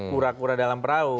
pura pura dalam perahu